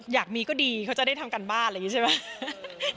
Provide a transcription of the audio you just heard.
อยากมีก็ดีเขาจะได้ทำการบ้านอะไรอย่างนี้ใช่ไหม